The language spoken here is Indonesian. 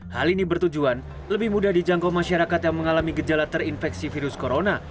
hal ini bertujuan lebih mudah dijangkau masyarakat yang mengalami gejala terinfeksi virus corona